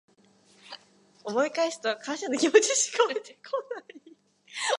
思い返すと感謝の気持ちしかわいてこない